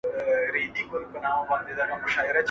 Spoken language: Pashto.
¬ ورور وژلی ښه دئ، که گومل پري ايښی؟